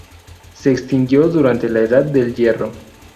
Se extinguió durante la Edad del Hierro.